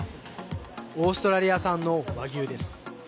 オーストラリア産のＷＡＧＹＵです。